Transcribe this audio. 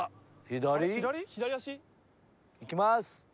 いきます。